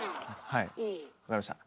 はい分かりました。